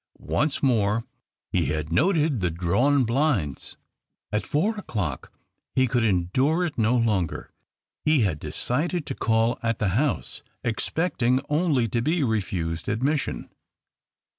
Once more he had noted the drawn Ijlinds. At four o'clock he could endure it no longer. He had decided to call at the house, expecting only to be refused admission.